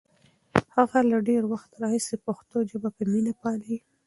هغه له ډېر وخت راهیسې پښتو ژبه په مینه پالي.